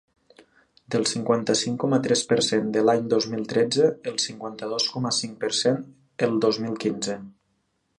Del cinquanta-cinc coma tres per cent de l’any dos mil tretze al cinquanta-dos coma cinc per cent el dos mil quinze.